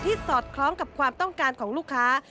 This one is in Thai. สอดคล้องกับความต้องการของลูกค้า